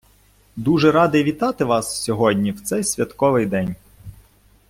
Дуже радий вітати вас сьогодні в цей святковий день.